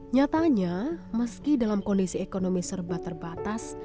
nyatanya meski dalam kondisi ekonomi serba terbatas